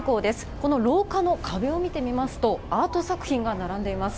この廊下の壁を見てみますと、アート作品が並んでいます。